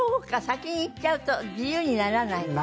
先に行っちゃうと自由にならないの。